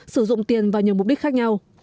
sử dụng tiền vào nhiều mục đích khác nhau